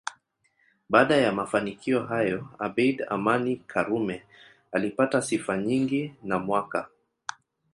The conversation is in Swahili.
Baada ya mafanikio hayo Abeid Amani Karume alipata sifa nyingi na mwaka